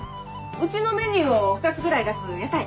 うちのメニューを２つぐらい出す屋台。